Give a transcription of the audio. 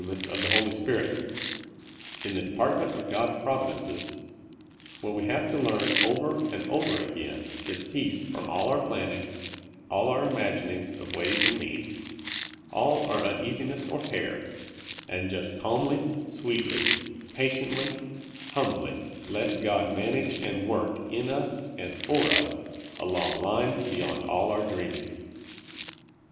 ments of the Holy Spirit, in the department of God's providences, where we have to learn over and over again to cease from all our planning, all our imagin ings of ways and means, all our uneasiness or care, and just calmly, sweetly, patienth^, humbly " let God " manage and work in us and for us along lines beyond all our dreaming.